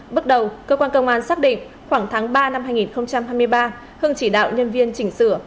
bước đầu cơ quan công an xác định khoảng tháng ba năm hai nghìn hai mươi ba hưng chỉ đạo nhân viên chỉnh sửa